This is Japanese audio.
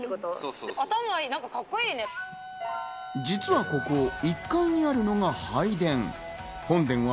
実はここ、１階にあるのが拝殿。